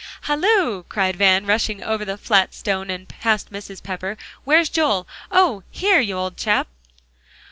"Halloo!" cried Van, rushing over the flat stone, and past Mrs. Pepper, "where's Joel? Oh here, you old chap!"